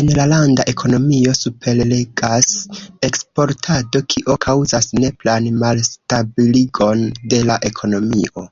En la landa ekonomio superregas eksportado, kio kaŭzas nepran malstabiligon de la ekonomio.